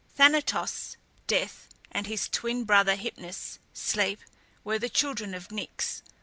Thanatos (Death) and his twin brother Hypnus (Sleep) were the children of Nyx.